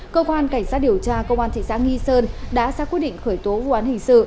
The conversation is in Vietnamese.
cơ quan cảnh sát điều tra công an thị xã nghi sơn đã ra quyết định khởi tố vụ án hình sự